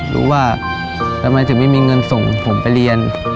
รู้ว่าทำไมถึงไม่มีเงินส่งผมไปเรียน